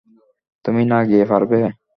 তুমি না গিয়ে পারবে?